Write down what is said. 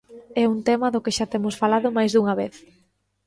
É un tema do que xa temos falado máis dunha vez.